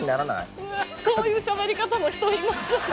こういうしゃべり方の人いますよね。